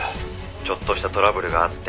「ちょっとしたトラブルがあって」